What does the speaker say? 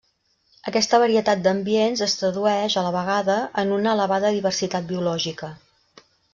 Aquesta varietat d'ambients es tradueix, a la vegada, en una elevada diversitat biològica.